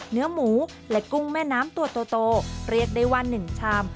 เนื้อหมูและกุ้งแม่น้ำตัวโตเรียกได้ว่า๑ชาม